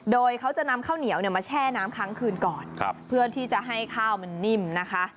โดยเขาจะนำข้าวเหนียวมาแช่น้ำครั้งคืนก่อนเพื่อที่จะให้ข้าวมันนิ่มนะคะ